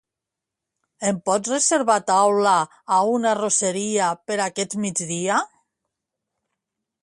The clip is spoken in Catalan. Ens pots reservar taula a una arrosseria per aquest migdia?